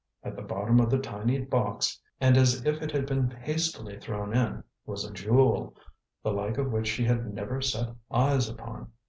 At the bottom of the tiny box, and as if it had been hastily thrown in, was a jewel, the like of which she had never set eyes on.